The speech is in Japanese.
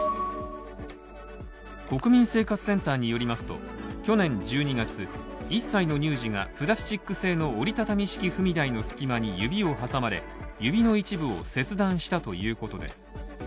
国民生活センターによりますと去年１２月、１歳の乳児がプラスチック製の折り畳み式踏み台の隙間に指を挟まれ、指の一部を切断したということです。